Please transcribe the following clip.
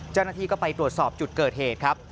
เจ้าหน้าที่ก็ไปตรวจสอบจุดเกิดเหตุครับ